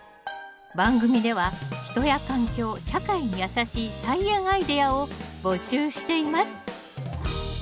番組では人や環境社会にやさしい菜園アイデアを募集しています。